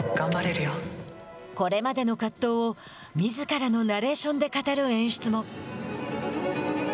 これまでの葛藤をみずからのナレーションで語る演出も。